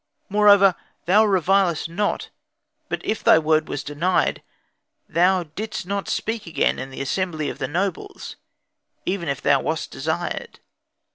Moreover, thou reviledst not; but if thy word was denied, thou didst not speak again in the assembly of the nobles, even if thou wast desired.